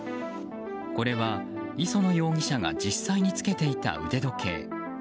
これは、磯野容疑者が実際につけていた腕時計。